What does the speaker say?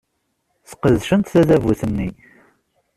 Sqedcent tadabut-nni.